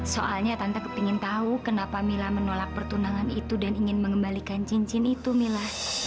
soalnya tante ingin tahu kenapa mila menolak pertunangan itu dan ingin mengembalikan cincin itu mila